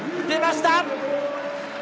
出ました！